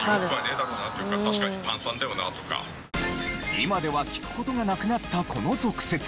今では聞く事がなくなったこの俗説。